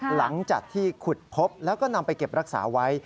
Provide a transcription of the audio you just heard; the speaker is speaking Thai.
หลังจากที่ขุดพบแล้วก็นำไปเก็บรักษาไว้